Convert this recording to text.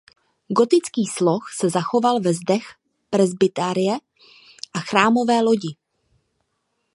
Gotický sloh se zachoval ve zdech presbyteria a chrámové lodi.